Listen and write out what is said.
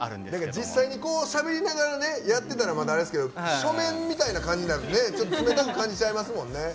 実際にしゃべりながらやってたらまだあれですけど書面みたいな感じになるとねちょっと冷たく感じちゃいますもんね。